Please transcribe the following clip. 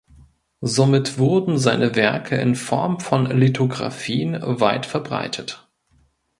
Somit wurden seine Werke in Form von Lithografien weit verbreitet.